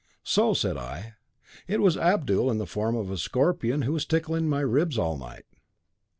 'So,' said I, 'it was Abdul in the form of a scorpion who was tickling my ribs all night.'